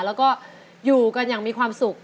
แล้วก็อยู่กันอย่างมีความสุข